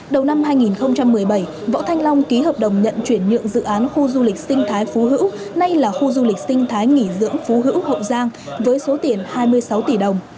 đầu năm hai nghìn một mươi bảy võ thanh long ký hợp đồng nhận chuyển nhượng dự án khu du lịch sinh thái phú hữu nay là khu du lịch sinh thái nghỉ dưỡng phú hữu hậu giang với số tiền hai mươi sáu tỷ đồng